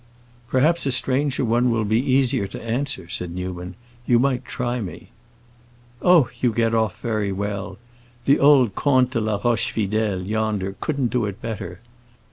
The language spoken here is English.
"Perhaps a stranger one will be easier to answer," said Newman. "You might try me." "Oh, you get off very well; the old Comte de la Rochefidèle, yonder, couldn't do it better.